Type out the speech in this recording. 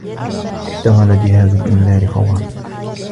اشتغل جهاز الإنذار فورا.